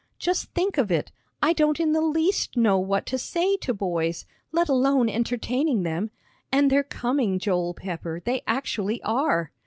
Just think of it, I don't in the least know what to say to boys, let alone entertaining them and they're coming, Joel Pepper, they actually are!"